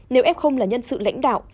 nếu f là nhân sự lãnh đạo